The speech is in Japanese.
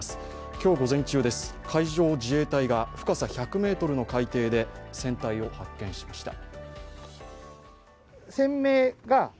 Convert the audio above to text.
今日午前中、海上自衛隊が深さ１００ｍの海底で船体を発見しました。